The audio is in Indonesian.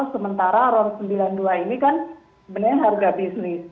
sementara ron sembilan puluh dua ini kan sebenarnya harga bisnis